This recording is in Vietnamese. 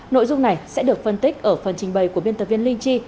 nội dung này sẽ được phân tích ở phần trình bày của biên tập viên linh chi